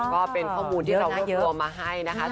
ก็เป็นข้อมูลที่เราให้ตัวมาให้นะคะ